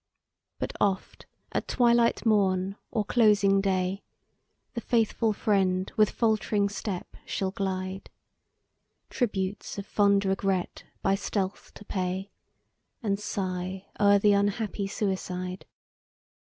But oft at twilight morn, or closing day, The faithful friend with fault'ring step shall glide, Tributes of fond regret by stealth to pay, And sigh o'er the unhappy suicide.